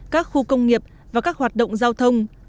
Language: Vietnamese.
các khu công nghiệp và các hoạt động giao thông